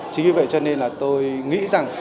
chính vì vậy cho nên là tôi nghĩ rằng